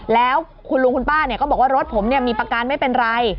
แล้วคุณลุงคุณป้าก็บอกว่ารถผมมีประกันไม่เป็นไร